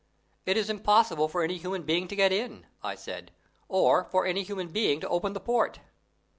"It is impossible for any human being to get in," I said, "or for any human being to open the port."